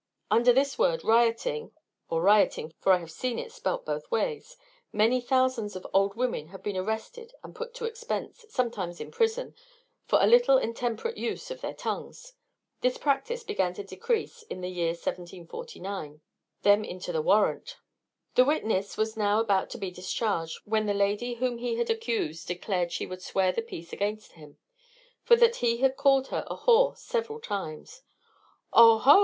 Under this word rioting, or riotting (for I have seen it spelt both ways), many thousands of old women have been arrested and put to expense, sometimes in prison, for a little intemperate use of their tongues. This practice began to decrease in the year 1749.] them into the warrant." The witness was now about to be discharged, when the lady whom he had accused declared she would swear the peace against him, for that he had called her a whore several times. "Oho!